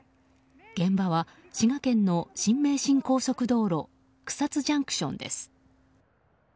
現場は、滋賀県の新名神高速道路草津ＪＣＴです。